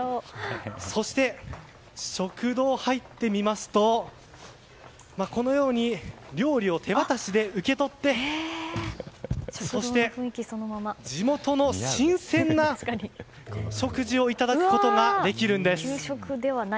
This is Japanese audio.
そして、食堂に入ってみますとこのように料理を手渡しで受け取ってそして、地元の新鮮な食事をいただくことができるんです。